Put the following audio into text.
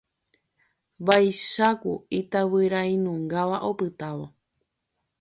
Vaicháku itavyrainungáva opytávo.